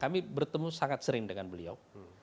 kami bertemu sangat sering dengan beliau